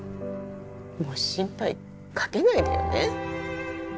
もう心配かけないでよね。